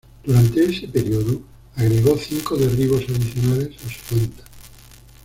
Durante ese periodo, agregó cinco derribos adicionales a su cuenta.